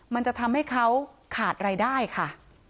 มันจะทำให้เขาขาดรายได้ค่ะ